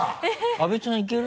阿部ちゃんいける？